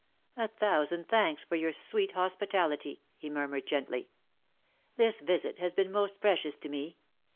" A thousand thanks for your sweet hospitality," he murmured, 314 "WE HAVE DONE WITH gently. '^ This visit has been most precious to me.